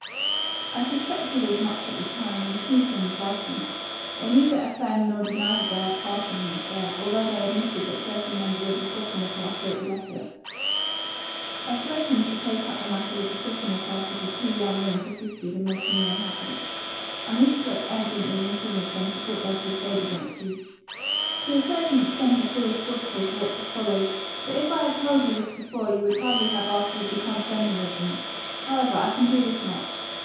I suspected as much at the time, and accused them of writing it. They neither affirmed nor denied their part in the affair, although they admitted that certain members of the sophomore class wrote the letter. I threatened to take up the matter with the sophomore class if the two young women persisted in making you unhappy, and this threat evidently influenced them to drop their crusade against you. "To a certain extent I feel responsible for what has followed, for if I had told you this before you would hardly have afterward become friendly with them. However, I can do this much.